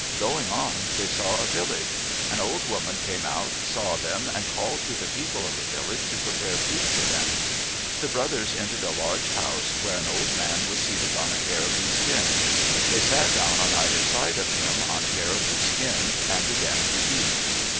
Going on, they saw a village. An old woman came out, saw them, and called to the people of the 109 MYTHS AND LEGENDS village to prepare food for them. The brothers en tered a large house, where an old man was seated on a caribou skin. They sat down on either side of him on caribou skins and began to eat.